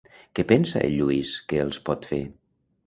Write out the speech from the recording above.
Què pensa el Lluís que els pot fer?